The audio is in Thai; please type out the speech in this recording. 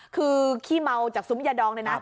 คือขี้เมาจากซุ้มยาดองเนี่ยนะ